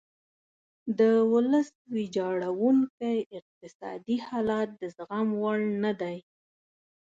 د ولس ویجاړیدونکی اقتصادي حالت د زغم وړ نه دی.